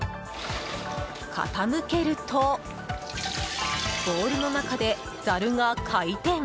傾けるとボウルの中でザルが回転。